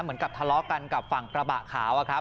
เหมือนกับทะเลาะกันกับฝั่งกระบะขาวอะครับ